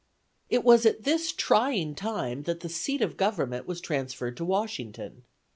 It was at this trying time that the seat of government was transferred to Washington.